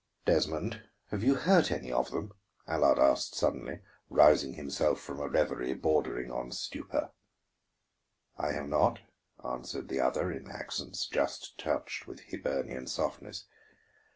"Desmond, have you hurt any of them?" Allard asked suddenly, rousing himself from a reverie bordering on stupor. "I have not," answered the other in accents just touched with Hibernian softness.